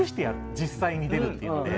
実際に出るっていう意味で。